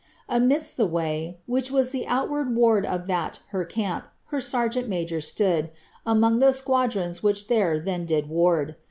Amidst the way, which was the outward ward Of that, her cam]), her sergeant major stood, Among those squadrons which there then did ward.